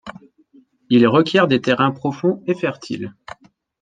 Il requiert des terrains profonds et fertiles.